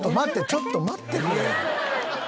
ちょっと待ってくれ。